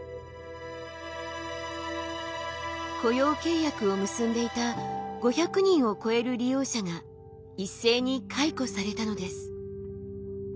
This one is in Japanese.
雇用契約を結んでいた５００人を超える利用者が一斉に解雇されたのです。